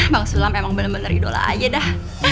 bang sulam emang bener bener idola aja dah